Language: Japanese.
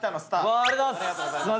ありがとうございます。